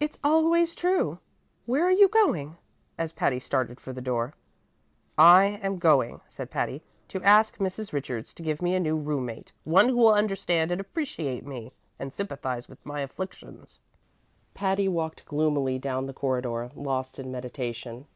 "It's always true. Where are you going?" as Patty started for the door. "I am going," said Patty, "to ask Mrs. Richards to give me a new room mate: one who will understand and appreciate me, and sympathize with my afflictions." Patty walked gloomily down the corridor, lost in meditation.